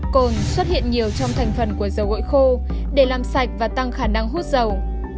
cồn xuất hiện nhiều trong thành phần của dầu gội khô để làm sạch và tăng khả năng hút dầu